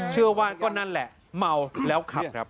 เชื่อว่าก็นั่นแหละเมาแล้วขับครับ